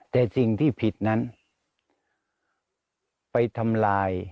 แต่สิ่งที่ผิดนั้นไปทำลาย